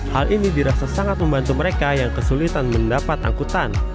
hal ini dirasa sangat membantu mereka yang kesulitan mendapat angkutan